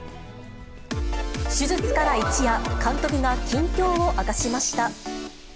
手術から一夜、監督が近況を明かしました。